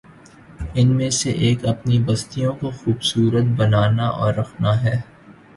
ان میں سے ایک اپنی بستیوں کو خوب صورت بنانا اور رکھنا ہے۔